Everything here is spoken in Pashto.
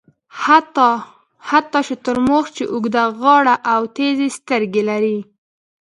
حتی شترمرغ چې اوږده غاړه او تېزې سترګې لري.